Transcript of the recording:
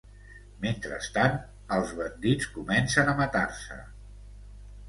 Mentrestant, els bandits comencen a matar-se.